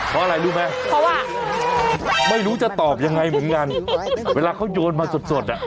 เพราะอะไรรู้ไหมเพราะว่าไม่รู้จะตอบยังไงเหมือนกันเวลาเขาโยนมาสดสดอ่ะ